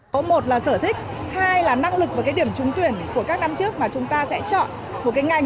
có một là sở thích hai là năng lực và cái điểm trúng tuyển của các năm trước mà chúng ta sẽ chọn một cái ngành